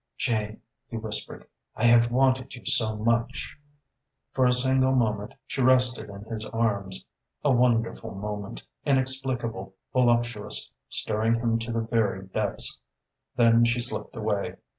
"Jane," he whispered, "I have wanted you so much." For a single moment she rested in his arms, a wonderful moment, inexplicable, voluptuous, stirring him to the very depths. Then she slipped away.